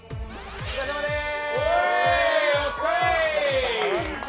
お疲れさまです！